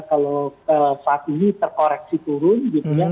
kalau saat ini terkoreksi turun gitu ya